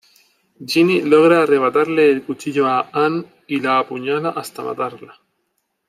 Ginny logra arrebatarle el cuchillo a Ann y la apuñala hasta matarla.